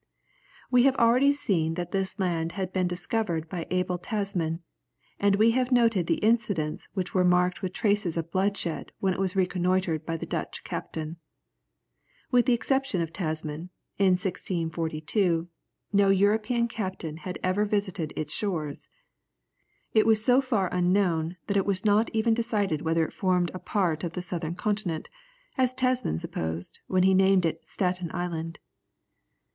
We have already seen that this land had been discovered by Abel Tasman, and we have noted those incidents which were marked with traces of bloodshed when it was reconnoitred by the Dutch captain. With the exception of Tasman, in 1642, no European captain had ever visited its shores. It was so far unknown, that it was not even decided whether it formed a part of the southern continent, as Tasman supposed, when he named it Staten Island.